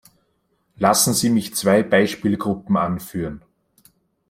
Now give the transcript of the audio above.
Lassen Sie mich zwei Beispielgruppen anführen.